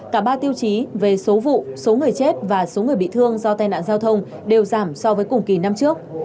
cả ba tiêu chí về số vụ số người chết và số người bị thương do tai nạn giao thông đều giảm so với cùng kỳ năm trước